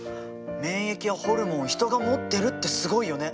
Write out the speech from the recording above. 免疫やホルモンを人が持ってるってすごいよね！